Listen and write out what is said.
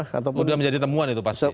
sudah menjadi temuan itu pak